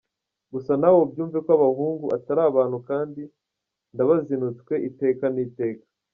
Gusa nawe ubyumve ko abahungu atari abantu kandi ndabazinutswe iteka n’iteka".